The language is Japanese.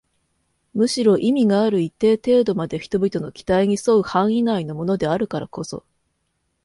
むしろ意味がある一定程度まで人々の期待に添う範囲内のものであるからこそ